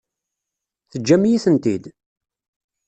Teǧǧam-iyi-tent-id?